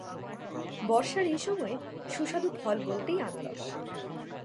বর্ষার এই সময়ে সুস্বাদু ফল বলতেই আনারস।